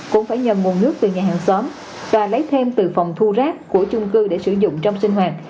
cũng phải nhờ nguồn nước từ nhà hàng xóm và lấy thêm từ phòng thu rác của chung cư để sử dụng trong sinh hoạt